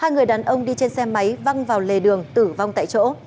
hai người đàn ông đi trên xe máy văng vào lề đường tử vong tại chỗ